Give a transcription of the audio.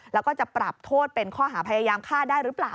แล้วก็จะปรับโทษเป็นข้อหาพยายามฆ่าได้หรือเปล่า